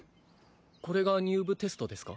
これが入部テストですか？